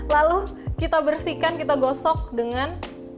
lalu kita bersihkan kita gosok dengan